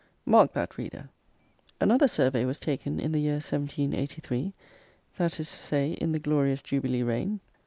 Mark that, reader. Another survey was taken in the year 1783; that is to say, in the glorious Jubilee reign.